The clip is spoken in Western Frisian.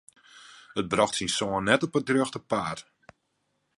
It brocht syn soan net op it rjochte paad.